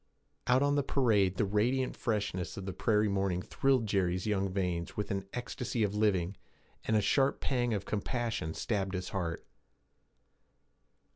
Out on the parade, the radiant freshness of the prairie morning thrilled Jerry's young veins with an ecstasy of living, and a sharp pang of compassion stabbed his heart.